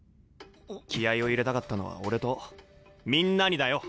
気合いを入れたかったのは俺とみんなにだよ。